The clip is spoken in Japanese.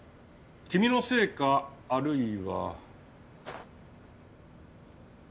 君のせいかあるいは。